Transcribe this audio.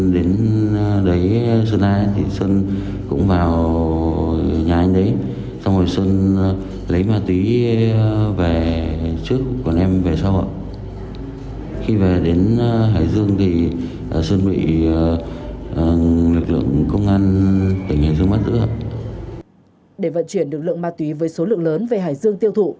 để vận chuyển lực lượng ma túy với số lượng lớn về hải dương tiêu thụ